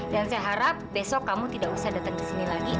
dan saya harap besok kamu tidak usah datang ke sini lagi